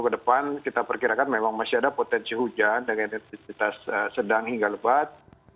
kedepan kita perkirakan memang masih ada potensi hujan dengan intensitas sedang hingga lebat